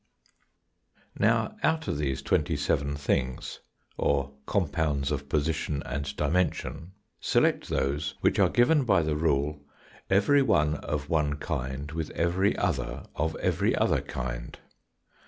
Now, out of these twenty seVen "things " or compounds of position and dimension, select those which are given by the rule, every one of one kind with every other of every other kind.